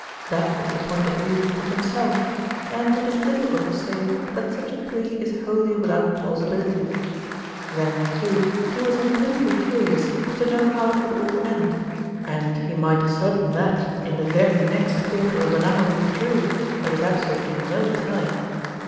That was the point of view he took himself, and it is difficult to say that such a plea is wholly without plausibility. Then, too, he was intensely curious to know how it would all end, and he might ascertain that in the very next quarter of an hour he drew ; there was absolutely no telling.